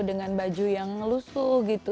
dengan baju yang lusuh gitu